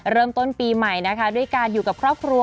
เริ่มต้นปีใหม่นะคะด้วยการอยู่กับครอบครัว